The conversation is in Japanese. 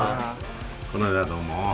この間はどうも。